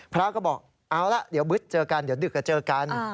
พระก็บอกเอาละเดี๋ยวบึ๊ดเจอกันเดี๋ยวดึกก็เจอกัน